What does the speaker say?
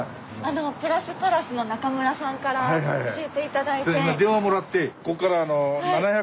プラスパラスの中村さんから教えて頂いて。